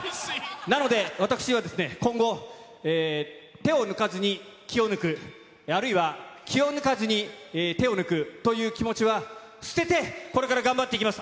なので、私は今後、手を抜かずに気を抜く、あるいは気を抜かずに、手を抜くという気持ちは、捨てて、これから頑張っていきます。